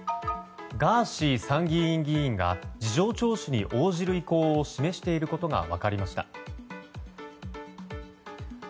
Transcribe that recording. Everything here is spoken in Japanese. ガーシー参議院議員が事情聴取に応じる意向を示していることが分かりました。